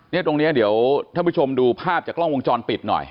ตรงนี้เดี๋ยวท่านผู้ชมดูภาพจากกล้องวงจรปิดหน่อย